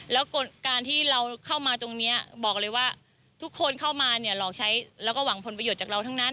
แล้วการที่เราเข้ามาตรงนี้บอกเลยว่าทุกคนเข้ามาเนี่ยหลอกใช้แล้วก็หวังผลประโยชน์จากเราทั้งนั้น